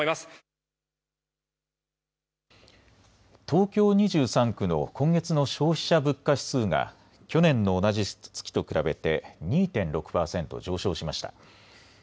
東京２３区の今月の消費者物価指数が去年の同じ月と比べて２．６％上昇しました。